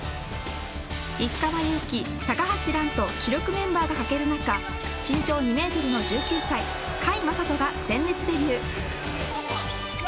石川祐希、高橋藍と主力メンバーが欠ける中身長２メートルの１９歳甲斐優人が鮮烈デビュー。